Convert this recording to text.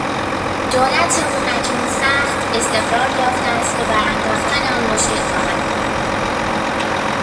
دولت او اکنون سخت استقرار یافته است و بر انداختن آن مشکل خواهد بود.